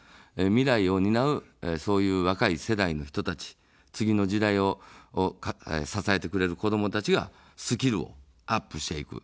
未来を担う、そういう若い世代の人たち、次の時代を支えてくれる子どもたちがスキルをアップしていく。